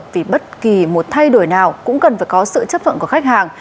vì bất kỳ một thay đổi nào cũng cần phải có sự chấp thuận của khách hàng